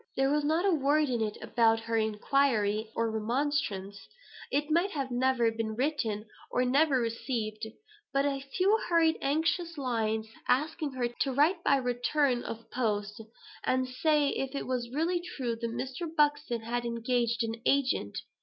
There was not a word in it about her inquiry or remonstrance; it might never have been written, or never received; but a few hurried anxious lines, asking her to write by return of post, and say if it was really true that Mr. Buxton had engaged an agent.